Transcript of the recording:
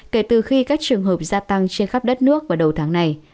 kể từ khi các trường hợp gia tăng trên khắp đất nước vào đầu tháng này